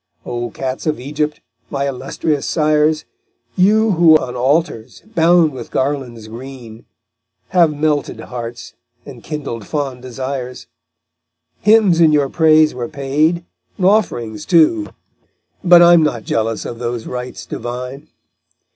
O cats of Egypt, my illustrious sires, You who on altars, bound with garlands green, Have melted hearts, and kindled fond desires, Hymns in your praise were paid, and offerings too, But I'm not jealous of those rights divine.